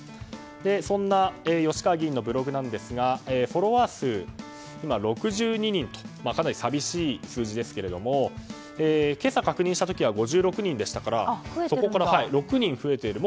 そんな吉川議員のブログですがフォロワー数は今、６２人とかなり寂しい数字ですが今朝確認した時は５６人でしたからそこから６人増えている。